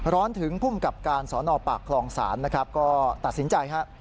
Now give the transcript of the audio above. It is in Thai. ร้อนถึงผู้กลับการสอนออกปากคลองศาลก็ตัดสินใจ